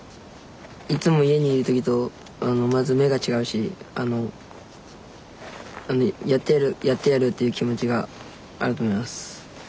いつも家にいる時とまず目が違うしやってやるやってやるっていう気持ちがあると思います。